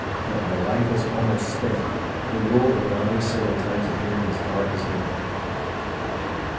But my life was almost spent, the world around me several times appearing as dark as midnight.